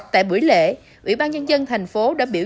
tại buổi lễ ủy ban nhân dân tp hcm đã biểu dư